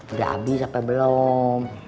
udah abis sampai belum